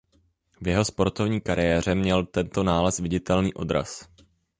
V jeho sportovní kariéře měl tento nález viditelný odraz.